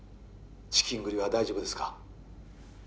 資金繰りは大丈夫ですか？